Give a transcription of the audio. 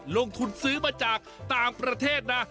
ลงทุนซื้อมาจากต่างประเทศนะ